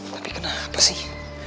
tapi kenapa sih